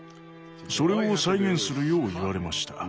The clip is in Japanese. それを再現するよう言われました。